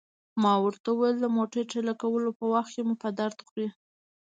ما ورته وویل: د موټر ټېله کولو په وخت کې مو په درد خوري.